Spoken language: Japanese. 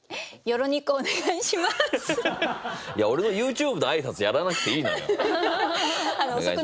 いや俺のＹｏｕＴｕｂｅの挨拶やらなくていいのよ。